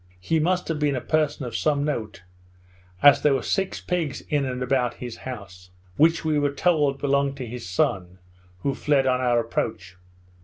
He must have been a person of some note, as there were six pigs in and about his house, which we were told belonged to his son, who fled on our approach.